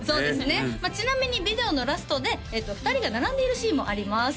ちなみにビデオのラストで２人が並んでいるシーンもあります